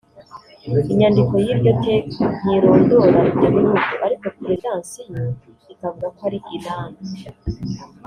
Inyandiko y’iryo teka ntirondora ibyo bihugu ariko Perezidansi yo ikavuga ko ari Iran